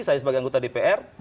saya sebagai anggota dpr